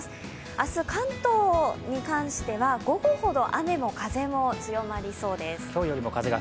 明日、関東に関しては午後ほど雨も風も強まりそうです。